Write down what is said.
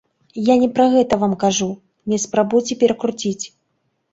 Я не пра гэта вам кажу, не спрабуйце перакруціць!